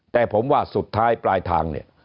แต่ผมว่าสุดท้ายปลายทางเนี่ย